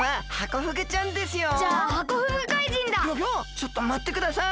ちょっとまってください！